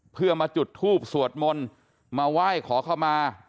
เพื่อมาจุดทูบสวดมนต์มาไหว้ขอเข้ามา